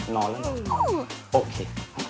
นอนแล้วโอเค